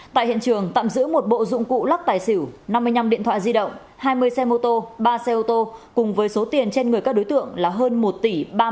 tại hiện trường tạm giữ một bộ dụng cụ lắc tài xỉu năm mươi năm điện thoại di động hai mươi xe mô tô ba xe ô tô cùng với số tiền trên người các đối tượng là hơn một tỷ đồng